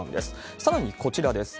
さらにこちらです。